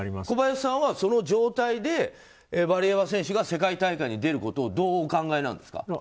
小林さんはその状態でワリエワ選手が世界大会に出ることをどうお考えなんですか？